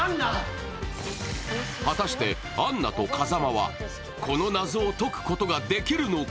果たして、アンナと風間はこの謎を解くことができるのか？